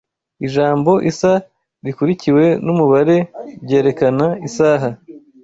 Ijambo isaa rikurikiwe n’umubare byerekana isaha